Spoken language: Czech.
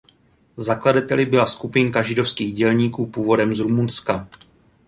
Zakladateli byla skupina židovských dělníků původem z Rumunska.